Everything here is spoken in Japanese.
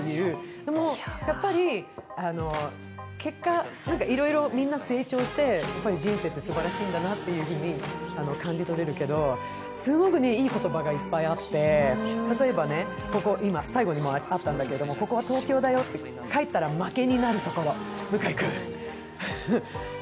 でもやっぱり結果、いろいろみんな成長して、人生ってすばらしいんだなというふうに感じとれるけど、すごくいい言葉がいっぱいあって例えば最後にもあったんだけど、ここは東京だよ、帰ったら負けになるところ、向井君？